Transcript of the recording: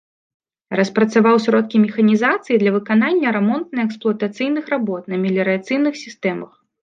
Распрацаваў сродкі механізацыі для выканання рамонтна-эксплуатацыйных работ на меліярацыйных сістэмах.